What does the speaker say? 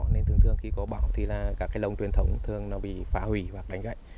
nên thường thường khi có bão thì là các cái lồng truyền thống thường nó bị phá hủy hoặc đánh gãy